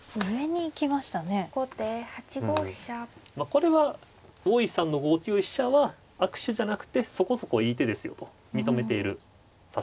これは大石さんの５九飛車は悪手じゃなくてそこそこいい手ですよと認めている指し方ですね。